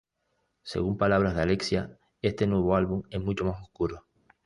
Según palabras de Alexia: "este nuevo álbum es mucho más oscuro".